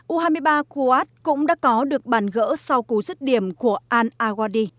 u hai mươi ba kuat cũng đã có được bản gỡ sau cú rứt điểm của ánh